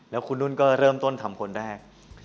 แล้วคุณนุ่นก็เริ่มต้นทำคนแรก